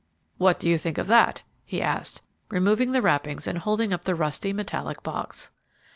"What do you think of that?" he asked, removing the wrappings and holding up the rusty, metallic box.